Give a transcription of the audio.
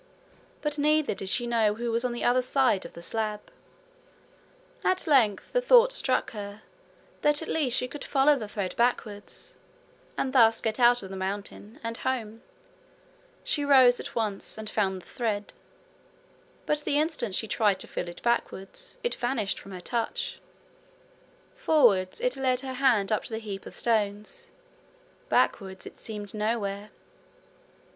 But neither did she know who was on the other side of the slab. At length the thought struck her that at least she could follow the thread backwards, and thus get out of the mountain, and home. She rose at once, and found the thread. But the instant she tried to feel it backwards, it vanished from her touch. Forwards, it led her hand up to the heap of stones backwards it seemed nowhere.